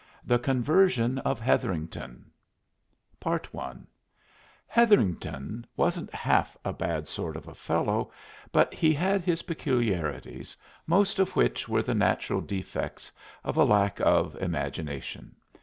THE CONVERSION OF HETHERINGTON I Hetherington wasn't half a bad sort of a fellow, but he had his peculiarities, most of which were the natural defects of a lack of imagination.